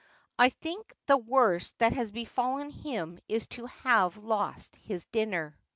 I think the worst that has befallen him is to have lost his dinner.'